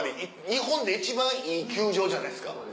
日本で一番いい球場じゃないですか。